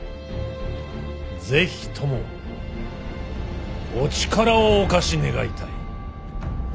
是非ともお力をお貸し願いたい。